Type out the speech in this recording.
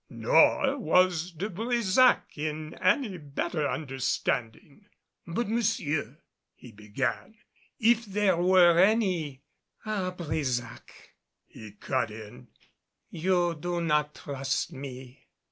Nor was De Brésac in any better understanding. "But, monsieur," he began, "if there were any " "Ah, Brésac," he cut in, "you do not trust me.